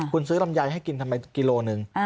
คุณซื้อลำไยให้กินทำไมกิโลหนึ่ง